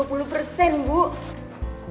oke kalau begitu bulan depan